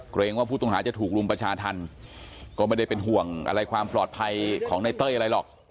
เกรงว่าผู้ต้องหาจะถูกรุมประชาธรรมก็ไม่ได้เป็นห่วงอะไรความปลอดภัยของในเต้ยอะไรหรอก